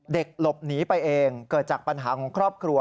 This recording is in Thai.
หลบหนีไปเองเกิดจากปัญหาของครอบครัว